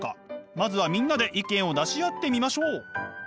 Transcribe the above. まずはみんなで意見を出し合ってみましょう！